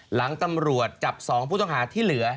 หลังตำรวจจับ๒ผู้ต้องหาที่เหลือ